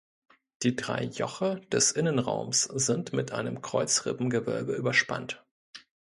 Die drei Joche des Innenraums sind mit einem Kreuzrippengewölbe überspannt.